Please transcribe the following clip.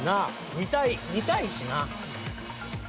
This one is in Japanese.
見たい見たいしな。